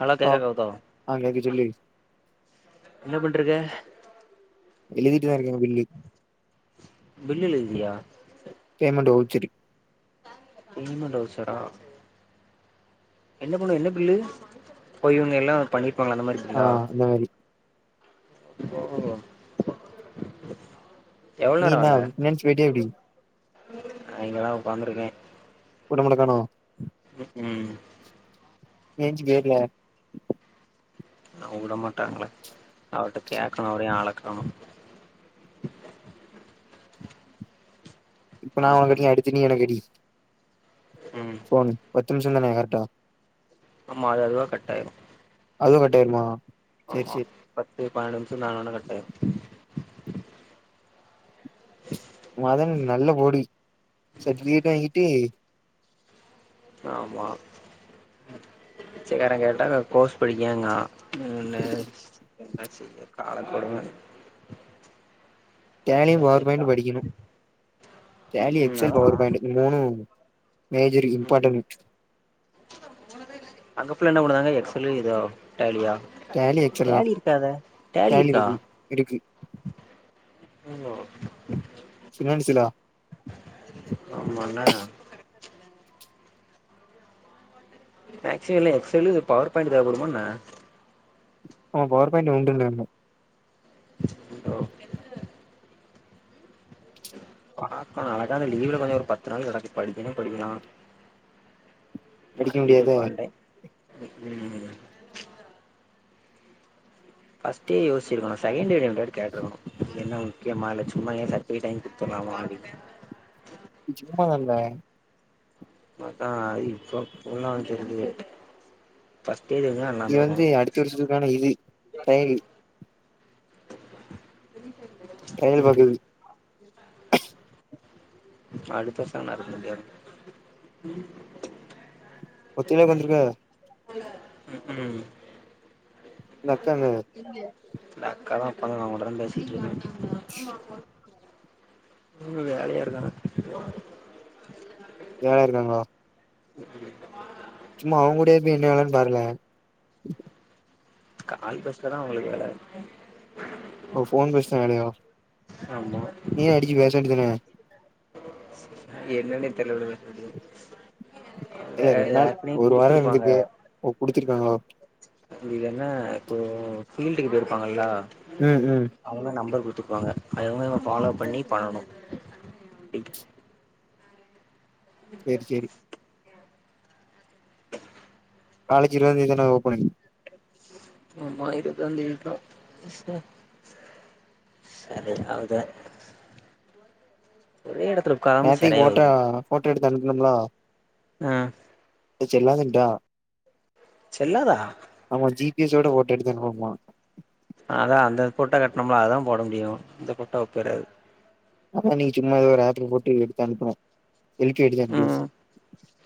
hello ஆ கேக்குதா கெளதம் ஆ கேக்குது சொல்லு என்ன பண்ட்டுருக்க எழுதிட்டுதா இருக்கே பீல்லு பில்லு எழுதுதியா பேமண்ட் வவ்ச்சரு பேமண்ட் வவ்ச்சரா என்ன போன என்ன பில்லு ஓ இவங்கல்லா பண்ணி இருப்பாங்களே அந்த மாறி ஆ அந்த மாறி ஓ எவ்ளோ நீ என்ன பினான்ஸ் போயிட்டயா எப்டி அங்கதா ஒக்காந்துருக்கே உட மாட்டங்கானோ ம் நீ என்ச்சி கேளுல அவுங் உட மாட்டாங்கல அவர்ட்ட கேக்ணு அவுரையு ஆளக் காணம் இப்ப நா ஒனக் பாக்கணு அடிக்க அடுத்து நீ எனக் அடி ம் போ நீ பத்து நிம்ஷந்தான கரட்டா ஆமா அது அதுவா கட்டாயிரு அதுவு கட்டாயிருமா ஆமா பத்து பனெண்டு நிமிஷோ தாண்டுன உட்னே கட்டாயிரு மதன் நல்ல போடு சட்டிவிகேட்டும் வாங்கிட்டு ஆமா பிச்சக்கார கேட்டா நா கோர்ஸ் படிக்கேங்கா [unintelligible] என்ன செய்ய காலக்கொடும டேலியு படிச்சா செரிதா பவர்பாயிண்டும் படிக்கணு ம் டேலி ம் எக்ஸ்சல் அதா பவர்பாயிண்டு இந்த மூனும் மேஜரு ம் இம்பார்ட்டனு அங்க ஃபுல்லா என்ன பண்ணுதாங்க எக்ஸ்ஸல்லு இதா டேலியா டேலி எக்ஸல் தா டேலி இருக்காதே டேலி இருக்கா இருக்கு ஓ ஹோ ஃபினான்சிலா ஆமான்ன மேக்சி எல்ல எக்ஸல்லு இத பவர்பாய்ண்ட் தேவப்படுமா என்ன அ பவர்பாய்ண்ட் உண்டுல்லன்னு ஓ பாத்தா அழகான லீவ்ல கொஞ்சு ஒரு பத்து நாள் கெடக்கு படிக்கணு படிக்கலா படிக்க வீட்டு முடியாத பாண்டே உ ம் ஃபஸ்ட்டே யோசிர்க்குணு செகண்டே ரெண்டாட்டி கேட்ருக்கணு என்ன முக்யமால்ல ச்சும்மாயே சத் போய் டைம் குடுத்தலாமா அப்டின்னு சும்மா தான்டா அதா இப்ப போலா தெரிலயே ஃபர்ஸ்ட்டே எதனா இது வந்து அடுத்த வருஷத்துக்கான இது ட்ரையல் டயல் ம் பாக்குது அடுத்த சன்னார் குத்யா ஒத்தேல உக்காந்துர்க்க உ ம் நக்கானு நக்கதா ப்பதா நா ஒன்ட்டதா பேசியிட்ரிக்கேன் உ வேலையா இருக்கானா ஏல இருக்காங்ளா [inaudible] சும்மா அவ்ங்கூடையே பெய் என்ன வேலன் பாருல கால்பேஸ்லதா அவ்ங்ளுக் வேல ஓ ஃபோன் பேஸ்ன வேலயோ ஆமா நீ அடிச்சி பேச வேண்டிதன என்னன்னே தெர்ல ப்ரோ இது ஏல ரெண் நாள் ஒரு வாரோ குடுத்துருப்பாங்க இர்ந்துருக்கு ஓ குடிச்சிர்க்காங்களோ இது என்ன இப்போ ஃபீல்டுக்கு போய்ர்ப்பாங்கள்ளா ம் ம் அதுல நம்பர் குடுத்துருப்பாங்க அதுல நம்ம ஃபாலோ பண்ணி பண்ணணும் தேங்க்யூ சேரி சேரி காலேஜ் எல்லாம் இன்னைக்கு தானே ஓப்பனிங் சும்மா இருக்க வேண்டியது இருக்கு சே செரி அவக ஒரே எடத்துல உக்காராம நேத்திக்கு போட்டோ சரியாவுது போட்டோ எடுத்து அனுப்பணுமுல ஆ சொல்லனும்டா [unintelligible] செல்லாதா ஆமா ஜி பி எஸ் ஸோட ஃபோட்டோ எடுத்தியானுப் பாப்பான் அதா அந்த போட்டோ காட்னோம்ல அதா போட முடியு இந்த போட்டோ ஒப்பிர்றாது அதான் இன்னைக்கு சும்மாவே ஒரு ஆர்டர் போட்டு எடுத்து அனுப்பனும் செல்பி எடுத்து அனுப்பனு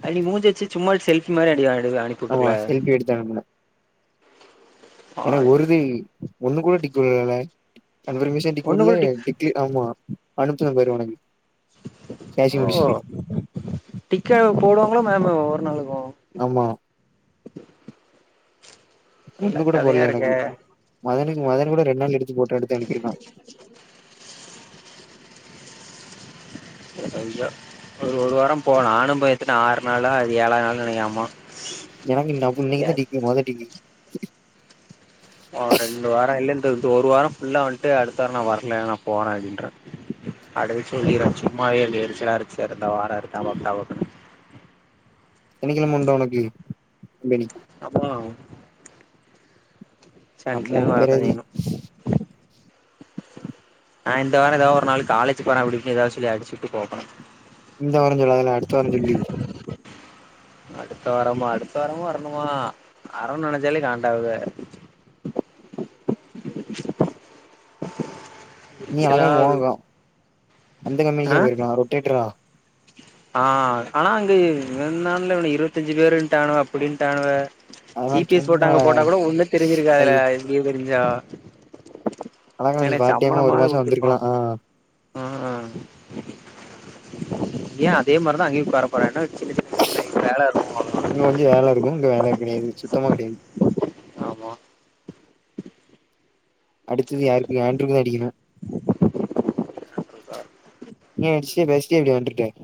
அப்டி மூஞ்ச வச்சி சும்மா செல்பி மாறி அடி வா‌ [unintelligible] ஆமா செல்பி எடுத்து அனுப்பனும் எனக்கு ஒருது ஒண்ணு கூட டிக் விழல ஒண்ணு கன்பர்மேஷன்டிகுள்ள கூட டிக் டிக்கி ஆமா அனுப்புற பாரு உனக்கு பேசி ஓ முடிச்சுட்டு டிக்கா போடுவாங்களா மேம் ஒரு நாளுக்கும் ஆமா நல்ல ஒன்னு கூட கதையா போட்ல இருக்கே எனக்கு மதனுக்கு மதன் கூட ரெண்டு நாள் எடுத்து போட்ட எடுத்து அனுப்பிருக்கான் தெரிஞ்சோ ஒரு ஒரு வாரோ போலா நானு போய்ட்டு நா ஆறு நாள்ல அது ஏழாது நாள் நெனைக்கே ஆமா எனக்கு நா அப்ப நீங்கதா டிக்கி மொத டிக்கி ஓ ரெண்டு வாரம் இல்லண்டு இந்த ஒரு வாரம் புல்லா வந்துட்டு அடுத்த வாரம் நான் வரல நான் போறேன் அப்டின்றான் அடைச்சு வீடாச்சும் சும்மாவே எரிச்சலாருக்கு சாரு எரிச்சு இருந்தா வாரம் இருக்கவும் வந்தாவ இன்னக்கி என்னுமு உண்டோ உனக்கு இன்னக்கி அப்பறம் அம்மோ சனிக்கிழமையும் பிறவி வரவேணும் நான் இந்த வாரம் ஏதாவ ஒரு நாள் காலேஜு போற அப்டின்னு ஏதாவ சொல்லி அடிச்சிட்டு போகணும் இந்த வார ச்சொல்லாதல அடுத்த வார ஜொல்லு அடுத்த வாரமா அடுத்த வாரமு வரணுமா அற நெனச்சாலே காண்டாவுதே நீ அழகாங் எரிச்சலாவுது வாங்கொ அந்த ஆ கம்பெனிக்கா போய்ர்க்லா ரொட்டேட்ரா ஆ ஆனா அங்க ரெண்டு நாள்ல இருவத்தஞ்சி பேருடானுவ அப்டின்டானுவ அதெல்லா ஜி‌ பி எஸ் போட்டாங்க சும்மாடா போட்டா கூட ஒண்ணும் ஐ தெரிஞ்சிருக்காதுல இப்படினு தெரிஞ்சா அழகா நீ என்னே பார்ட் டைமா ஒரு சம்பளமாது மாசோ குடுத்துருப்பான் வந்திருக்கலா ஆ ம் ஏன் அதே மாதிரிதான் அங்கேயும் உக்காற போற என்ன சின்ன சின்ன வேல இரு இங்க கொஞ்சம் வேலை இருக்கும் இங்க வேலை கிடையாது சுத்தமா கிடையாது ஆமா அடுத்தது யாருக்கு ஆண்ட்ருக்கு தா அடிக்கணு ஒரு நிமிஷம் பேசிட்டே இப்படி வந்துட்டேன்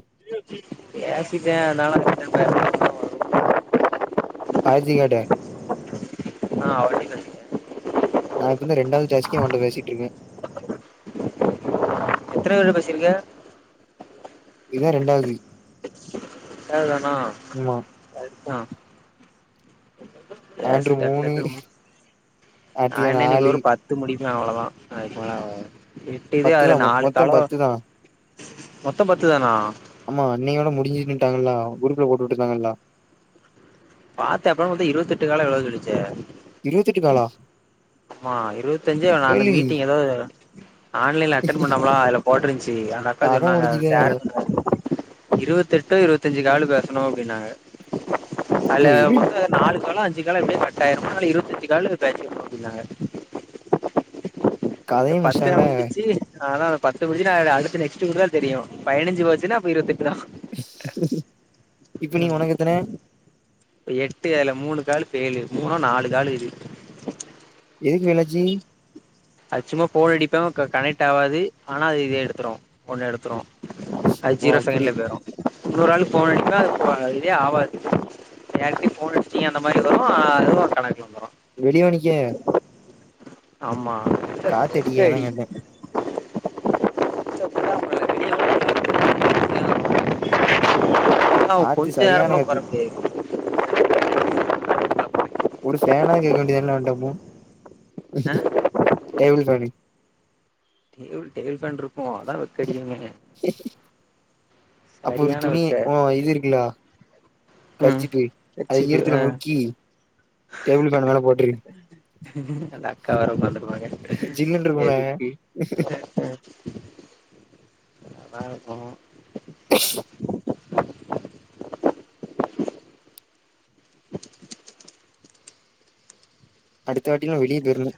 பேசிட்டே ஆனாலு அதுட்ட பேசல காய்சி கேட்டேன் நா ஆல்ரெடி நாளைக்கி வந்து ரெண்டாவது டேசிக்கே ஒண்ட பேசிட்டு இருக்கே எத்தன பேர்கிட்ட பேசிருக்க இவன் ரெண்டாவது எழுதணும் ம்மா ஆ ஆண்ட்ரு பேசிட் டக்கு மூணு டக்னு மு நா கார்த்திகா என்ன இன்னிக் நாலு ஒரு பத் எத்து முடிக்லா அவ்ளதா அதுக் மேல ஆவா எட்டுது பத்துதா அதுல நாலு மொத்தோ தலா பத்துதா மொத்தம் பத்து தானா ஆமா இன்னையோட முடிஞ்சுட்டுங்களா க்ரூப்ல போட்டு விட்டுட்டாங்கல்லா பாத்த அப்றோ பாத்தா இருவத்தெட்டு காலோ எவ்ளோ சொல்லிச்சே இருவத்தெட்டு காலா ஆமா இருவத்தஞ்சு ஆன அந்த ஏலே மீட்டிங் எதோ ஆன்லைன்ல அட்டன் பண்ணம்லா அதுல போட்ருந்ச்சு அந்த அக்கா கத சொன்னாங்க அது முடிஞ்சுதே சேருத்துல இருவத்தெட்டோ இருவத்தஞ்சி கால் பேசணு அப்டின்னாங்க அல இதோ இரு மொத்த நாலு காலோ அஞ்சி காலோ எப்டியா கட்டாய்ருமா இருவத்தஞ்சி காலு பேசிர்னு அப்டின்னாங்க எ கதையு பத்தே ஆவ் முடிச்சுட்டாங்களே முடிச்சி ஆனா ந பத்து புடிச்சி நா ட அதுக்குன்னு நெஸ்ட்டு குடுத்துதா தெரியு பனஞ்சு போச்சுனா அப்பு இருவத்தெட்டு தா இப்ப நீ உனக் எத்தன எட்டு அல மூணு காலு பெய்லு மூணும் நாலு காலு இது எதுக்கு வீனா ஜீ அ சும்மா போன் அடிப்ப க கனெக்ட் ஆவாது ஆனா அது இதே எத்துடும் ஒனே எடுத்துரு அ ஓ ஜீரோ அப்டி செகன்ட்ல போயிரு இன்னொரு ஆளுக்கு போன் அடிச்சா அது போகாது இதே ஆவாது ஏற்கனே போன் அடுச்சுட்டிங்க அந்த மாரி வரு அது ஒரு கணக்குல வந்துரு வெளியவா நிக்க ஆம்மா காத்து அடிக்கதா அதா கேட்டே ஆ காத்து கொஞ்ச நேர சரியான கூட உக்கார காத்து முடியாது ஒரு ஃபேனா கேட்க வேண்டியத அவன்ட்ட அப்போ ஆ table fan table table fan இருக்கு அதா வெக்கடிக்குங்க ம் [inaudible] அப்ப ஒரு சரியான துணி வெக்க ஓ இது இருக்குலா ம் கர்சிப்பு அத வச்சுக்கு ஆ ஈரத்துல முக்கி டேபிள் பேன் மேல போட்ரு நல்லாருக்கா அவங்க வந்துருவாங்க ஜில்லுன்னு இருக்கும்ல எதுக்கு அ நா இப்போ [inaudible] அடுத்த வாட்டிலு வெளிய போய்ரணு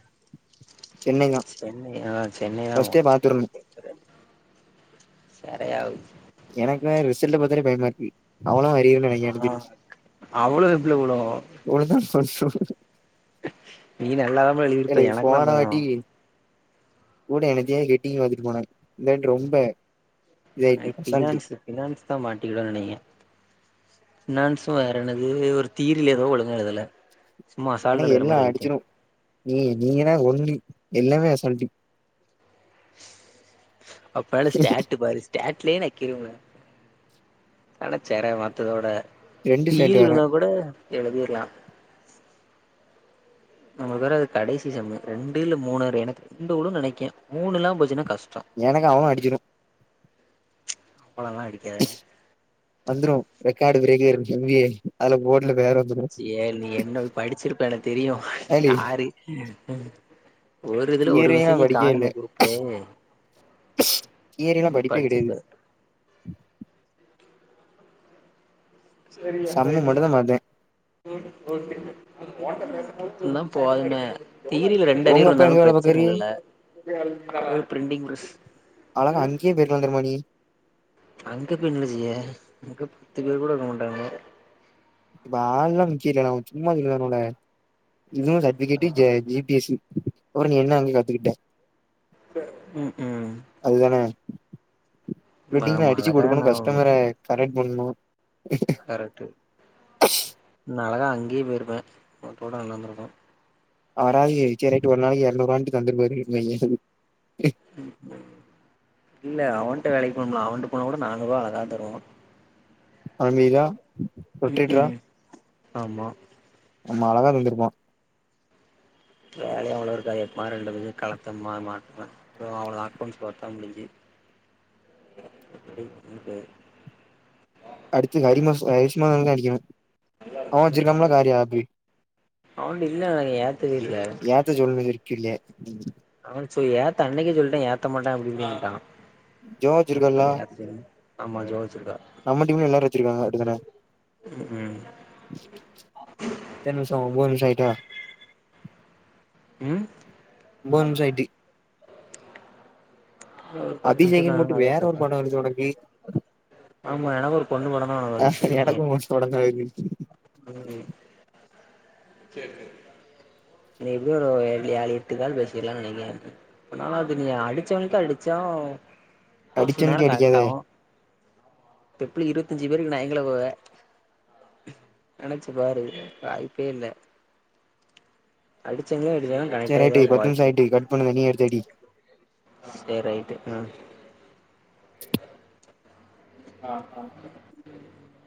சென்னை தா சென்னை அதா சென்னைதா ஃபர்ஸ்ட்டே போனு பாத்துரணு சிறையாது எனக்குமே ரிசல்ட்டு பாத்தாவே பயமா இருக்கு அவளா வரகிற நீங்க ஆ எத்துருச்சு அவ்ளோ இப்ல விழும் இவ்ளதா [unintelligible] நீ நல்லாதாப்பா எழுதிருப்ப எனக்கு தா போன பயோ வாட்டி கூட எனத்த கெட்டிங்க் பாத்துட்டு போனாங்க இந்தாட்டு ரொம்ப அ இதாயிட்டு அசால்ட்டு பினான்ஸ் பினான்ஸ் தா மாட்டிக்கிடுனு நெனைக்க பினான்ஸும் வேறு என்னது ஒரு தீரியில ஏதோ ஒழுங்க எழுதுள எனக்கு எல்லா அடிச்சிடு நீ நீ தான ஒண்ணி எல்லாமே அசால்டு அப்பால ஸ்டாட்டு பாரு ஸ்டாட்லனுக்கிருங்க கனச்சற மத்ததோட ரெண்டு ஸ்டேட் தீல் வேற விழுந்தா கூட எழுதிரலா நம்மளுக்கு வேற அது கடைசி செம்மு ரெண்டு இல்லா மூணு எனக்கு ரெண்டு விழு நெனைக்கே மூணுலா போச்சுன்னா கஷ்டோ எனக்கு அவன அடிச்சுடு அப்பளல்லா அடிக்காதா வந்துரும் ரெக்கார்டு பிரகேர் எம் பி ஏ அதுல போர்டுல வேற வந்து சேரி நீ என்ன படிச்சிருப்ப எனக்கு தெரியு ஏன்டி யாரு அ அ ஒரு இதுல ஒரு தியரியெல்லா மெசேஜையு படிக்கவே இல்ல காணமே குரூப்ல தியரியெல்லா நீ படிப்பே கெடையாது படிச்சிருப்ப சம்மு மட்டுதா பாத்தே என்னா போதுமே தீயிரில ரெண்டு உங்க அரியர் அப்பா எங்க இருந்தாலு வேல பிரச்சன பாக்காரு இல்லல அது பிரின்டிங் பிரஸ் அழகா அஞ்சு நீயு பேய்ருக்கலா தெரிமா நீ அங்க போய் என்ன செய்ய அங்க பத்து பேர் கூட இருக்க மாட்டாங்க இப்ப ஆள் எல்லா முக்கியோ இல்ல நா சும்மா சொல்றானுவல இதுவு சர்பிகேட்டு ஆமா ஜே ஜி பி எஸ்சூ ஒரு நீ என்ன அங்க கத்துகிட்ட ப ம் ம் அதுதானே பிரின்டீங்க ஆமா அடிச்சு அழகா குடுக்கணு நா கஸ்டமர கரெக்ட் பண்னணு கரெக்ட்டு நா அழகாக அங்கயே போயிருப்ப அதுகூட நல்லாந்துருக்கு அவறாவது சேர் ரைட்டு ஒரு நாளைக்கு இரநூற் ரூவாண்டு தந்து இருப்பாரு ம்பாங்கே இல்ல அவன்ட வேலைக்கு போணுல்ல அவன்ட போனா கூட நானூற் ரூபா அழகா தருவா அமீரா உம் உம் ஆமா ரொம்ப அழகா தந்திருப்பா வேலையு அவ்ளோ இருக்காது எப்மா ரெண்டுதயு கலத்தனமா மாட்னமா தோ அவ்ளது அக்கவுண்டஸ் பாத்த முடிஞ்சி [unintelligible] அடுத்து ஹரிமாஸ் ஹரிம்ல்லா அடிக்கணு அவன்ட இல்ல நாங்க ஏத்தவே இல்ல இந்த [unintelligible] இருக்குல்ல ம் அவன் சொ ஏத்த அன்னைக்கே சொல்ட்டே ஏத்த மாட்டே அப்டி இப்டின்டா அத ஜோ கரெக்ட் வச்சிருக்கல்லா பண்ணி ஏத்த சொல்லு ஆமா ஜோ வச்சுருக்கா நம்ம டீம்ல எல்லாரு வச்சிருக்காங்க அப்டிதானே ம் எத்தன நிமிசோ ஒம்போது நிமிசோ ஆயிட்டா ம் ஒம்போது நிமிஷோ ஆயிட்டு ஒரு பத்து நிமிஷோ அபிஷேகோன்னு போட்டு தான அதே வேற ஒரு படம் கேட்டே வருது உனக்கு ஆமா எனக்கு ஒரு பொண்ணு படந்தா ஞாபகோ ஆ எனக்கும் [unintelligible] உம் [unintelligible] சேர் சேர் இன்னிக்கு எப்டியு ஒரு ஏழு எட்டு கால் பேசில்லான்னு நினைக்கே ரொம்ப நாளாது நீ அடிச்சவன்ட்ட அடிச்சோ ஒரு சில அடிச்சவனுக்கே நேரம் அடிக்காத கரெக்ட் ஆவும் பெப்பிலி இரவத்தஞ்சு பேருக்கு நா எங்கள போவ நினைச்சு பாரு வாய்ப்பே இல்ல அடிச்சங்களே அடிச்சாதா கனெக்ட் ஆயி ஏதோ உனக்கு வாய்ப்பு பொண்ணுங்க நீ எடுத் அடி சேர் ரைட்டு உம் அ ஆ [inaudible]